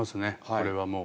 これはもう。